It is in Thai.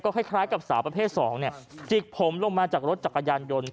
คล้ายกับสาวประเภท๒จิกผมลงมาจากรถจักรยานยนต์